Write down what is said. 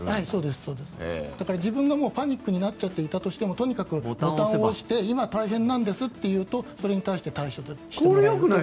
だから自分がパニックになっていたとしてもとにかくボタンを押して今、大変なんですと言うとそれに対して対処してもらえる。